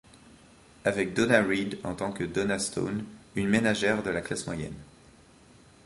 Avec Donna Reed en tant que Donna Stone, une ménagère de la classe moyenne.